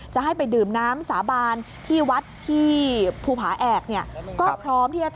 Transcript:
จะให้ไปดื่มน้ำสาบานที่วัดภูภาแอด